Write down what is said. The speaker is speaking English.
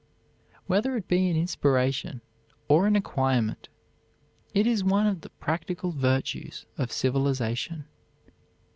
Whether it be an inspiration, or an acquirement, it is one of the practical virtues of civilization.